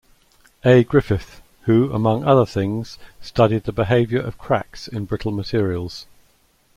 A. Griffith who, among other things, studied the behavior of cracks in brittle materials.